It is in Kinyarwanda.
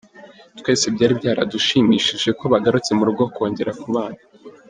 Twese byari byadushimishije ko bagarutse mu rugo kongera kubana.